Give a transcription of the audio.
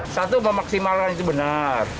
satu memaksimalkan itu benar